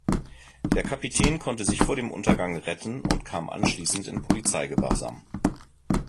Der Kapitän konnte sich vor dem Untergang retten und kam anschließend in Polizeigewahrsam.